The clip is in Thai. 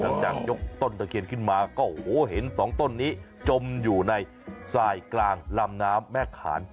ยกต้นตะเคียนขึ้นมาก็โอ้โหเห็นสองต้นนี้จมอยู่ในสายกลางลำน้ำแม่ขาน